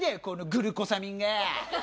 このグルコサミンが。